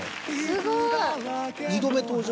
すごい。